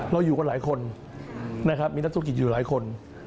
อยู่กันหลายคนนะครับมีนักธุรกิจอยู่หลายคน